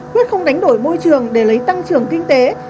quyết không đánh đổi môi trường để lấy tăng trưởng kinh tế